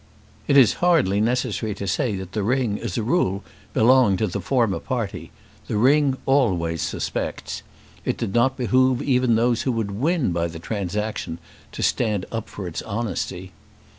It is hardly necessary to say that the ring, as a rule, belonged to the former party. The ring always suspects. It did not behove even those who would win by the transaction to stand up for its honesty.